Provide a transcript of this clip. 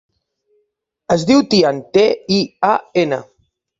Es diu Tian: te, i, a, ena.